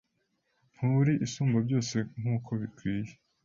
Nturi Isumbabyose nkuko bikwiye